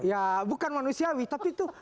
ya bukan manusiawi tapi itu